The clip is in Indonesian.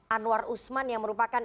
anwar usman yang merupakan